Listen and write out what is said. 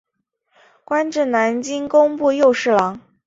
官至南京工部右侍郎。